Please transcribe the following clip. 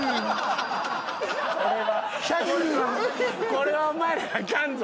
これはお前らあかんぞ。